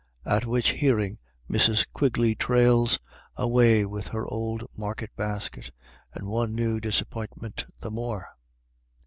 At which hearing Mrs. Quigley trails LISCONNEL. II away with her old market basket, and one new disappointment the more.